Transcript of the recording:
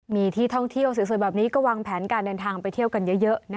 มีที่ท่องเที่ยวสวยแบบนี้ก็วางแผนการเดินทางไปเที่ยวกันเยอะ